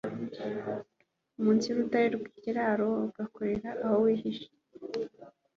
munsi y'urutare rw'ikiraro rugukorera aho wihishe